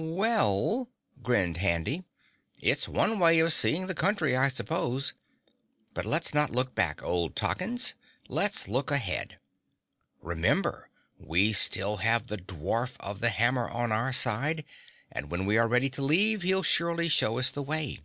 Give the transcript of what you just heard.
"Well," grinned Handy, "it's one way of seeing the country, I suppose. But let's not look back, old Toggins, let's look ahead. Remember we still have the Dwarf of the Hammer on our side and when we are ready to leave he'll surely show us the way."